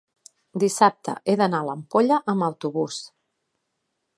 dissabte he d'anar a l'Ampolla amb autobús.